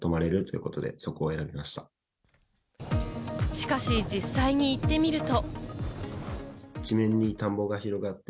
しかし、実際に行ってみると。